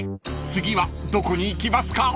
［次はどこに行きますか？］